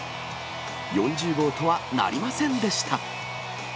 ４０号とはなりませんでした。